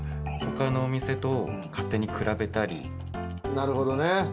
なるほどね。